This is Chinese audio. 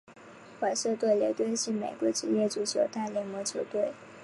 华盛顿联队是美国职业足球大联盟球队。